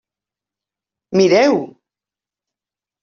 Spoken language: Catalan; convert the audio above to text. Mireu!